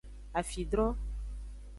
Afidro.